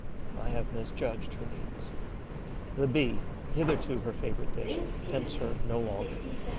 I have misjudged her needs. The Bee, hitherto her favourite dish, tempts her no longer.